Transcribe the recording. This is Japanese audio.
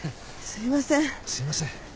すいません。